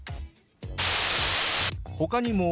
ほかにも。